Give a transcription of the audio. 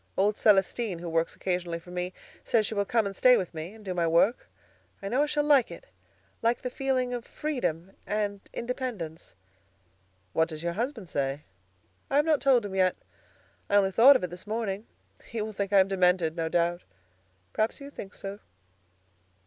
Old Celestine, who works occasionally for me, says she will come stay with me and do my work. I know I shall like it, like the feeling of freedom and independence." "What does your husband say?" "I have not told him yet. I only thought of it this morning. He will think I am demented, no doubt. Perhaps you think so."